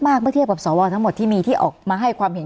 เมื่อเทียบกับสวทั้งหมดที่มีที่ออกมาให้ความเห็น